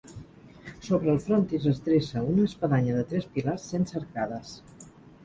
Sobre el frontis es dreça una espadanya de tres pilars sense arcades.